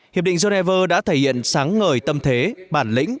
hiệp định geneva đã thể hiện sáng ngời tâm thế bản lĩnh